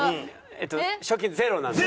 えっと賞金ゼロなんです。